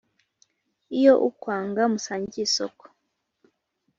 iyo ukwanga musangiye isoko?